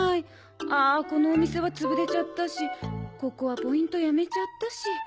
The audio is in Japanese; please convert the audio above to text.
ああこのお店はつぶれちゃったしここはポイントやめちゃったし。